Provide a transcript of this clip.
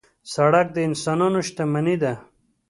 سړک د انسانانو شتمني ده.